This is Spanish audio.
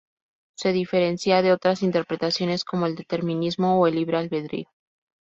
Se diferencia de otras interpretaciones como el determinismo o el libre albedrío.